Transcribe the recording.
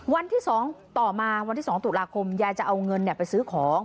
วันที่๒ต่อมาวันที่๒ตุลาคมยายจะเอาเงินไปซื้อของ